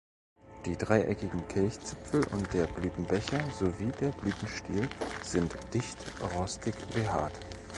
Die dreieckigen Kelchzipfel und der Blütenbecher sowie der Blütenstiel sind dicht rostig behaart.